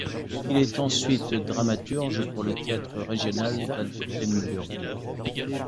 Il est ensuite dramaturge pour le théâtre régional d'Altenburg.